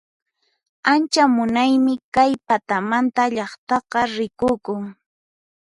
Ancha munaymi kay patamanta llaqtaqa rikukun